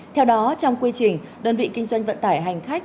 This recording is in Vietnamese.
theo đó trong quy trình đơn vị kinh doanh vận tải hành khách